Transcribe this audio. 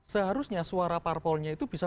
seharusnya suara parpolnya itu bisa